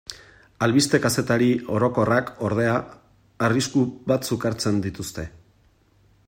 Albiste-kazetari orokorrak, ordea, arrisku batzuk hartzen dituzte.